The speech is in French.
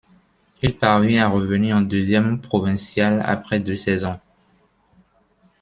Il parvient à revenir en deuxième provinciale après deux saisons.